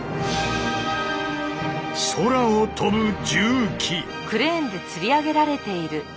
空を飛ぶ重機！